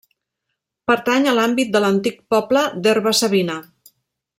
Pertany a l'àmbit de l'antic poble d'Herba-savina.